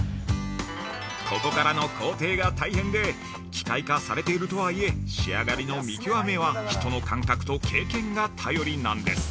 ここからの工程が大変で機械化されているとはいえ仕上がりの見極めは、人の感覚と経験が頼りなんです。